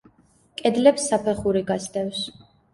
კედლებს საფეხური გასდევს.